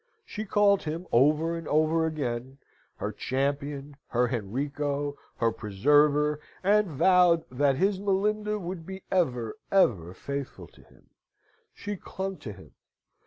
She called him, over and over again, her champion, her Henrico, her preserver, and vowed that his Molinda would be ever, ever faithful to him. She clung to him.